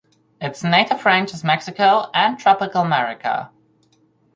Its native range is Mexico and Tropical America.